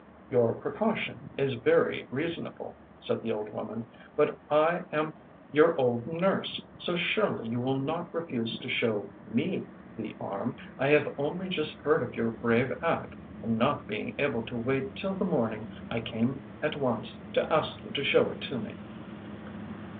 ŌĆØ ŌĆ£Your precaution is very reasonable, ŌĆØ said the old woman. ŌĆ£But I am your old nurse, so surely you will not refuse to show ME the arm. I have only just heard of your brave act, and not being able to wait till the morning I came at once to ask you to show it to me.